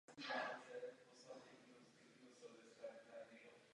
Ten nejdříve činí kněžně výčitky za její špatné zacházení s poddanými.